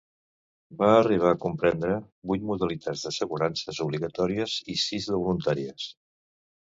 Va arribar a comprendre vuit modalitats d'assegurances obligatòries i sis de voluntàries.